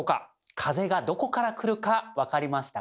風がどこから来るか分かりましたか？